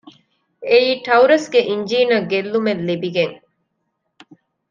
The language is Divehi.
އެއީ ޓައުރަސްގެ އިންޖީނަށް ގެއްލުމެއް ލިބިގެން